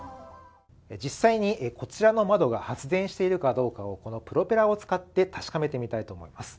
実際にこちらの窓が発電しているかどうかをこのプロペラを使って確かめてみたいと思います